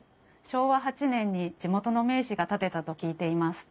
昭和８年に地元の名士が建てたと聞いています。